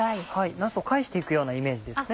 なすを返して行くようなイメージですね。